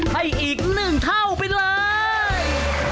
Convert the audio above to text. ให้อีกหนึ่งเท่าไปเลย